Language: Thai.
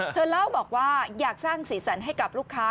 เธอเล่าบอกว่าอยากสร้างสีสันให้กับลูกค้า